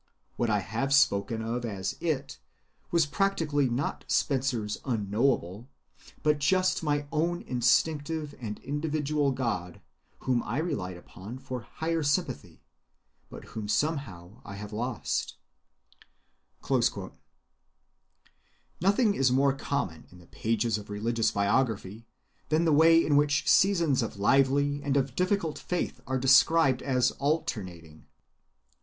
What I have spoken of as 'It' was practically not Spencer's Unknowable, but just my own instinctive and individual God, whom I relied upon for higher sympathy, but whom somehow I have lost." Nothing is more common in the pages of religious biography than the way in which seasons of lively and of difficult faith are described as alternating.